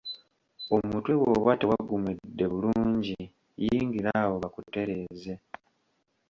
Omutwe bwoba tewagumwedde bulungi yingira awo bakutereeze.